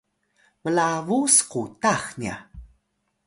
mlabu skutax nya